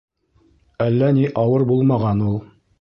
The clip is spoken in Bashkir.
Әллә ни ауыр булмаған ул.